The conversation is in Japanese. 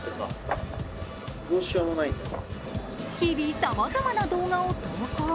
日々さまざまな動画を投稿。